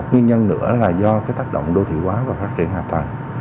nguyên nhân nữa là do tác động đô thị hóa và phát triển hạ tầng